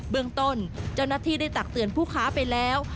เมืองต้นเจ้าหน้าที่ได้ตักเตือนผู้ค้าไปแล้ว